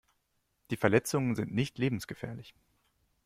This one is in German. Die Verletzungen sind nicht lebensgefährlich.